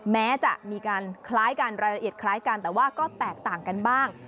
แม้จะมีการคล้ายกันรายละเอียดคล้ายกันแต่ว่าก็แตกต่างกันบ้าง